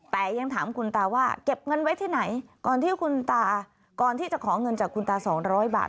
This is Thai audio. แต่ยังถามคุณตาว่าเก็บเงินไว้ที่ไหนก่อนที่คุณตาก่อนที่จะขอเงินจากคุณตา๒๐๐บาท